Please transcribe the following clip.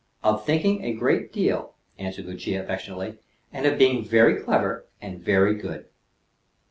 "Of thinking a great deal," answered Lucia affectionately. "And of being very clever and very good."